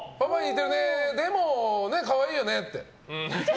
でも、可愛いよねって。